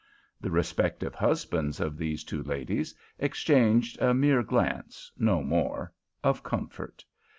The respective husbands of these two ladies exchanged a mere glance, no more, of comfort.